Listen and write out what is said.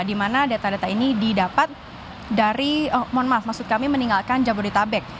di mana data data ini didapat dari mohon maaf maksud kami meninggalkan jabodetabek